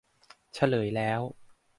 เฉลยแล้ว